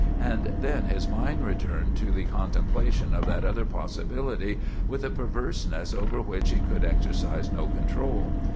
And then his mind returned to the contemplation of that other possibility with a perverseness over which he could exercise no control.